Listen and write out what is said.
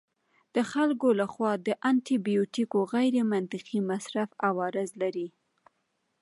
د خلکو لخوا د انټي بیوټیکو غیرمنطقي مصرف عوارض لري.